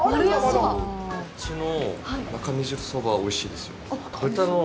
あっちの中身汁そばはおいしいですよ。